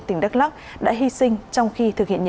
tỉnh đắk lắk đã hy sinh trong khi